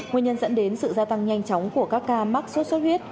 nguyên nhân dẫn đến sự gia tăng nhanh chóng của các ca mắc sốt xuất huyết